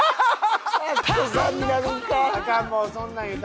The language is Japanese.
アカンもうそんなん言うたら。